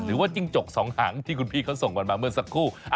หรือว่าจิ้งจกสองหางที่คุณพี่เขาส่งมาเมื่อสักครู่